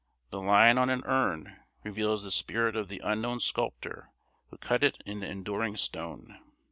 The line on an urn reveals the spirit of the unknown sculptor who cut it in the enduring stone.